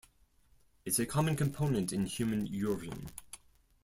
It is a common component in human urine.